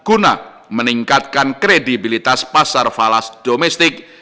guna meningkatkan kredibilitas pasar falas domestik